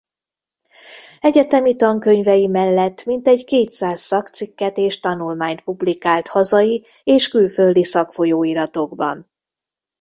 Egyetemi tankönyvei mellett mintegy kétszáz szakcikket és tanulmányt publikált hazai és külföldi szakfolyóiratokban.